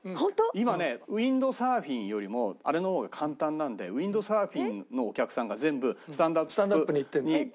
今ねウィンドサーフィンよりもあれの方が簡単なんでウィンドサーフィンのお客さんが全部スタンドアップに変わっちゃったって。